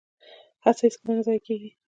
هڅه هیڅکله ضایع نه کیږي